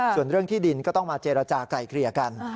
ส่วนเรื่องที่ดินก็ต้องมาเจรจากลายเกลี่ยกัน